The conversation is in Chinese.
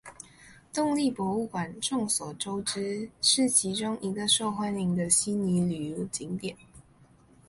动力博物馆众所周知是其中一个受欢迎的悉尼旅游景点。